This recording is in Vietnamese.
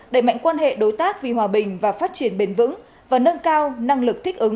đẩy mạnh quan hệ đối tác vì hòa bình và phát triển bền vững và nâng cao năng lực thích ứng